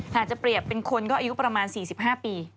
หากจะเปรียบเป็นคนก็อายุประมาณ๔๕ปี